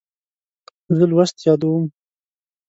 زه لوست یادوم.